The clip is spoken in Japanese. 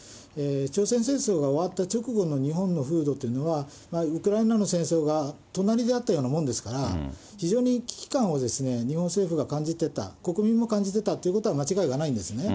朝鮮戦争が終わった直後の日本の風土というのは、ウクライナの戦争が隣であったようなものですから、非常に危機感を日本政府が感じてた、国民も感じてたということは、間違いがないんですね。